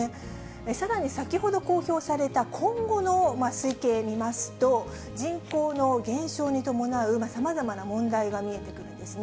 さらに先ほど公表された今後の推計見ますと、人口の減少に伴うさまざまな問題が見えてくるんですね。